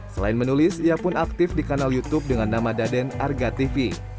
selain menulis ia pun aktif di kanal youtube dengan nama daden arga tv